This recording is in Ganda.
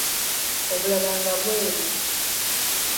Obulala nga bweru.